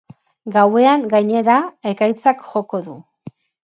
Gauean gainera ekaitzak joko du.